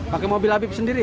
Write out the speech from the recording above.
pakai mobil abib sendiri ya